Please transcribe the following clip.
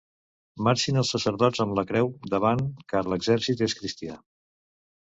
Marxin els sacerdots amb la creu davant, car l'exèrcit és cristià.